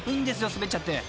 滑っちゃって］